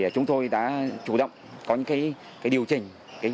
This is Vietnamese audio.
chúng tôi đã chủ động có những điều chỉnh